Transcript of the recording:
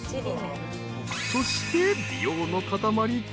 ［そして美容の塊登場］